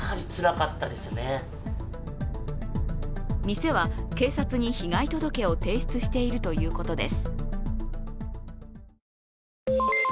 店は警察に被害届を提出しているということです。